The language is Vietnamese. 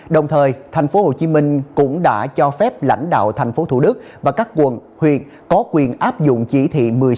đồng thời tp hcm cũng đã cho phép lãnh đạo thành phố thủ đức và các quận huyện có quyền áp dụng chỉ thị một mươi sáu